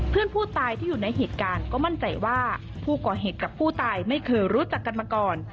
เพื่อนผู้ตายที่อยู่ในเหตุการณ์ก็มั่นใจว่าผู้ก่อเหตุกับผู้ตายไม่เคยรู้จักกันมาก่อน